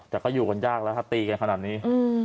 แต่ก็อยู่กันยากแล้วถ้าตีกันขนาดนี้